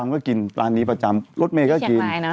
ก็กินร้านนี้ประจำรถเมย์ก็กิน